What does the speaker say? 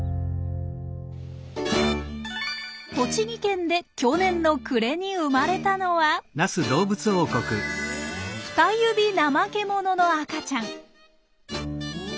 栃木県で去年の暮れに生まれたのはフタユビナマケモノの赤ちゃん。